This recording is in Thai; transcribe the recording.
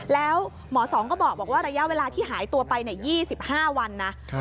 แล้วหมอสองก็บอกว่าระยะเวลาที่หายตัวไป๒๕วันนะ